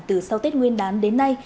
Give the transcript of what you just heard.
từ sau tết nguyên đán đến nay